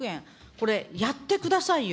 これ、やってくださいよ。